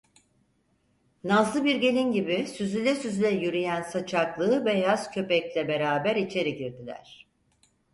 Nazlı bir gelin gibi süzüle süzüle yürüyen saçaklı, beyaz köpekle beraber içeri girdiler.